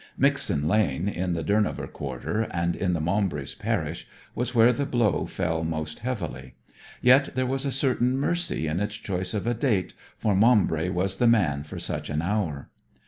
Mixen Lane, in the Durnover quarter, and in Maumbry's parish, was where the blow fell most heavily. Yet there was a certain mercy in its choice of a date, for Maumbry was the man for such an hour.